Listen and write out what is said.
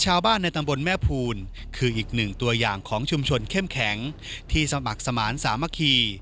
ชาวบ้านในตำบลแม่ภูลคืออีกหนึ่งตัวอย่างของชุมชนเข้มแข็งที่สมัครสมานสามัคคี